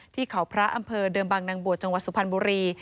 ที่ข่าวพระอำเพอร์เดิมบั่งนางบัวจังหวัดสุภัณฑ์บุรี